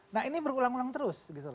nah ini berulang ulang terus